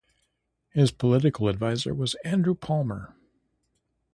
His political adviser was Andrew Palmer.